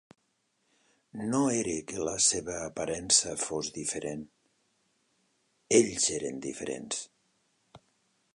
No era que la seva aparença fos diferent; ells eren diferents.